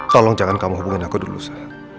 tolong jangan kamu hubungin aku dulu saya